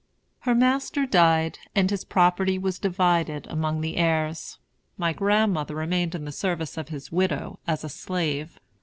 Her master died, and his property was divided among the heirs. My grandmother remained in the service of his widow, as a slave.